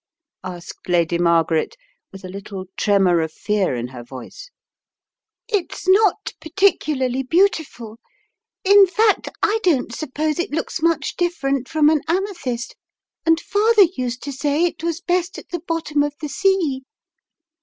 asked Lady Margaret with a little tremor of fear in her voice. "It's not par ticularly beautiful. In fact, I don't suppose it looks much different from an amethyst, and father used to say it was best at the bottom of the sea."